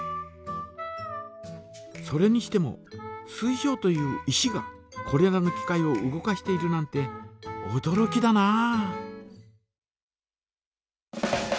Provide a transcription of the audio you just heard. それにしても水晶という石がこれらの機械を動かしているなんておどろきだなあ。